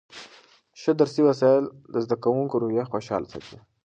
ښه درسي وسایل د زده کوونکو روحیه خوشحاله ساتي.